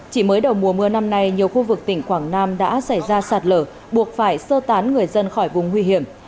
chỉ mới đầu mùa mưa năm nay nhiều khu vực tỉnh quảng nam đã xảy ra sạt lở buộc phải sơ tán người dân khỏi vùng nguy hiểm